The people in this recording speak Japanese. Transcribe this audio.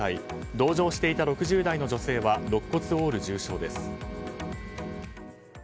同乗していた６０代の女性は肋骨を折る重傷です。